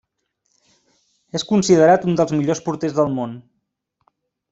És considerat un dels millors porters del món.